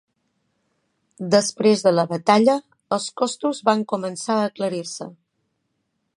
Després de la batalla, els costos van començar a aclarir-se.